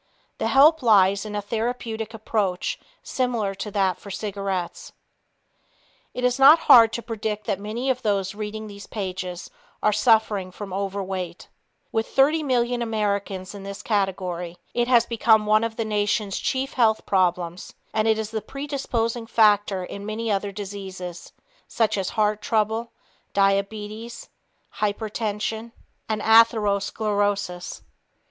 The help lies in a therapeutic approach similar to that for cigarettes. It is not hard to predict that many of those reading these pages are suffering from overweight. With 30 million Americans in this category, it has become one of the nation's chief health problems, and it is the predisposing factor in many other diseases such as heart trouble, diabetes, hypertension and atherosclerosis.